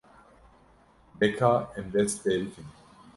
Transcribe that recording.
De ka em dest pê bikin.